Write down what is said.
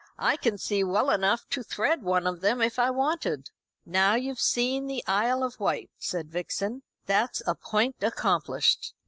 "I can see well enough to thread one of them if I wanted." "Now, you've seen the Isle of Wight," said Vixen. "That's a point accomplished.